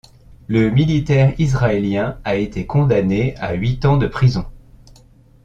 Le militaire israélien a été condamné à huit ans de prison.